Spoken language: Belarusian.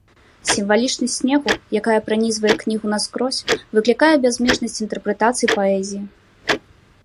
Сімвалічнасць снегу, якая пранізвае кнігу наскрозь, выклікае бязмежнасць інтэрпрэтацый паэзіі.